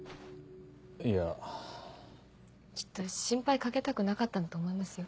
いや。きっと心配かけたくなかったんだと思いますよ。